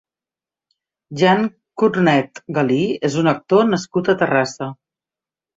Jan Cornet Galí és un actor nascut a Terrassa.